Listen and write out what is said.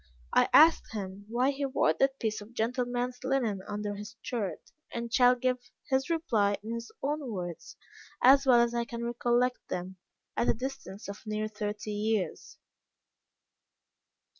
I asked him why he wore that piece of gentleman's linen under his shirt, and shall give his reply in his own words as well as I can recollect them, at a distance of near thirty years.